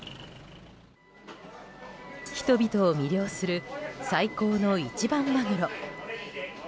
人々を魅了する最高の一番マグロ。